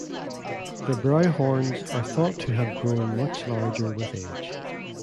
The brow horns are thought to have grown much larger with age.